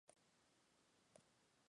Firma segura adelante